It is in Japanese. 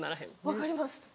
分かります